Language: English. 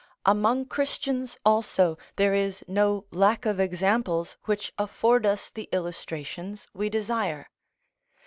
Among Christians also there is no lack of examples which afford us the illustrations we desire.